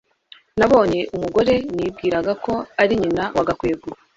nabonye umugore nibwiraga ko ari nyina wa gakwego